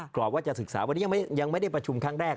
รอบว่าจะศึกษาวันนี้ยังไม่ได้ประชุมครั้งแรก